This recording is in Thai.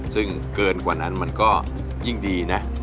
ซึ่งเกินกว่านั้นมันก็ยิ่งดีนะ